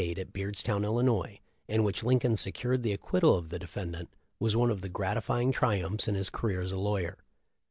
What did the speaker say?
Metzger, in May, 1858, at Beardstown, Illinois, in which Lincoln secured the acquittal of the defendant, was one of the gratifying triumphs in his career as a lawyer.